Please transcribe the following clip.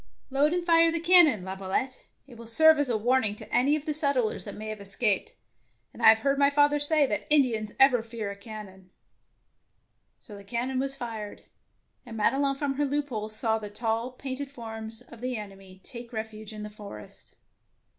"Load and fire the cannon, Lavio lette ; it will serve as a warning to any of the settlers that may have escaped, and I have heard my father say that Indians ever fear a cannon.'^ So the cannon was fired, and Made Ion from her loophole saw the tall, painted forms of the enemy take refuge in the forest.